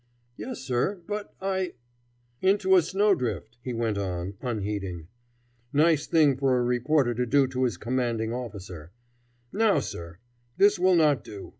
"Yes, sir! But I "[ Illustration: Mulberry Street.] "Into a snowdrift," he went on, unheeding. "Nice thing for a reporter to do to his commanding officer. Now, sir! this will not do.